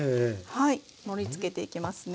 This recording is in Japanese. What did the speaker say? はい盛りつけていきますね。